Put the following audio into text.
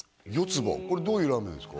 これどういうラーメンですか？